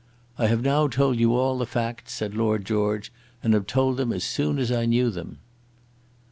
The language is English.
"I have now told you all the facts," said Lord George, "and have told them as soon as I knew them."